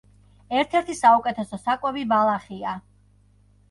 ერთ-ერთი საუკეთესო საკვები ბალახია.